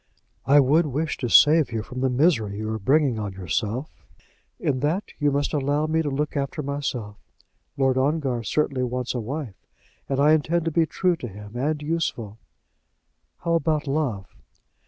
"I would wish to save you from the misery you are bringing on yourself." "In that you must allow me to look after myself. Lord Ongar certainly wants a wife, and I intend to be true to him, and useful." "How about love?"